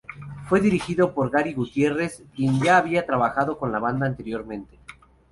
Fue dirigido por Gary Gutierrez, quien ya había trabajado con la banda anteriormente.